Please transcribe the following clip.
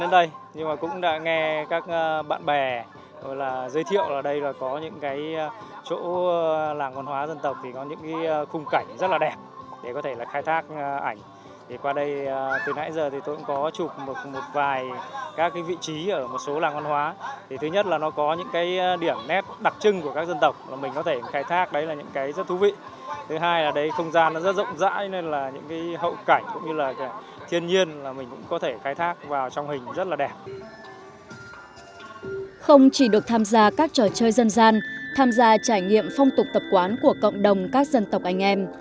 không chỉ được tham gia các trò chơi dân gian tham gia trải nghiệm phong tục tập quán của cộng đồng các dân tộc anh em